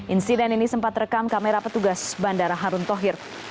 insiden ini sempat rekam kamera petugas bandara harun tohir